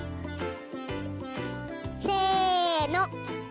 せの。